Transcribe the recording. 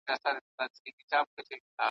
له ازله تر ابده په همدې رنځ مبتلا یو ,